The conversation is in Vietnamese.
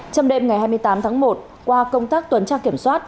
trong đêm ngày hai mươi tám tháng một qua công tác tuần tra kiểm soát